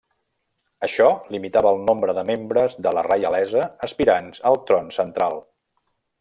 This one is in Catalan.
Això limitava el nombre de membres de la reialesa aspirants al tron central.